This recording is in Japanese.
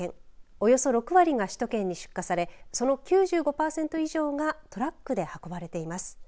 およそ６割が首都圏に出荷されその９５パーセント以上がトラックで運ばれています。